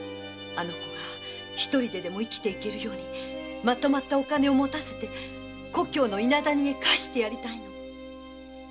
あの子が独りででも生きていけるようにまとまったお金を持たせて故郷の伊那谷へ帰してやりたいの。